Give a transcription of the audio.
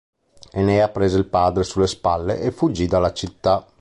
Enea prese il padre sulle spalle e fuggì dalla città.